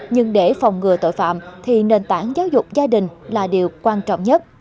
nhưng để phòng ngừa tội phạm thì nền tảng giáo dục gia đình là điều quan trọng nhất